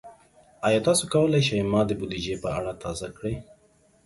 ایا تاسو کولی شئ ما د بودیجې په اړه تازه کړئ؟